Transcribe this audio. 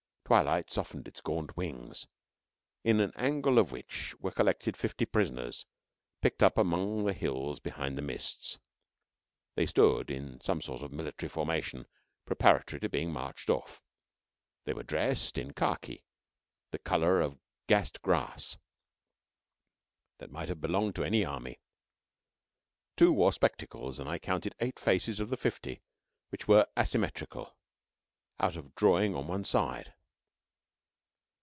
Twilight softened its gaunt wings, in an angle of which were collected fifty prisoners, picked up among the hills behind the mists. They stood in some sort of military formation preparatory to being marched off. They were dressed in khaki, the colour of gassed grass, that might have belonged to any army. Two wore spectacles, and I counted eight faces of the fifty which were asymmetrical out of drawing on one side.